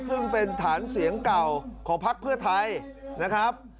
ซึ่งเป็นฐานเสียงเก่าของพักเพื่อไทยนะครับ